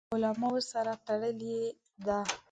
خولۍ د طب علماو سره تړلې ده.